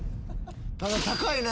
ただ高いね。